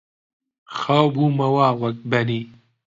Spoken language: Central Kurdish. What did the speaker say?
خاو بوومەوە وەک بەنی